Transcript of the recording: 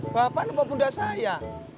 bapak nombor pundak saya